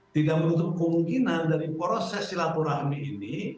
tidak menutup kemungkinan dari proses silaturahmi ini